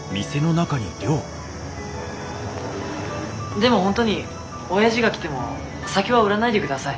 でも本当におやじが来ても酒は売らないでください。